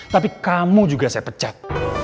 tapi kamu juga saya pecat